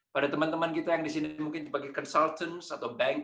bagi teman teman kita yang di sini mungkin sebagai konsultan atau bank